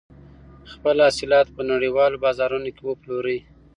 خپل حاصلات په نړیوالو بازارونو کې وپلورئ.